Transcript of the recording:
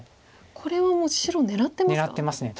これはもう白狙ってますか？